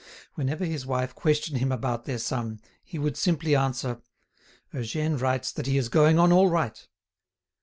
Whenever his wife questioned him about their son he would simply answer: "Eugène writes that he is going on all right."